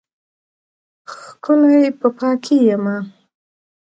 ښکلی په پاکۍ یمه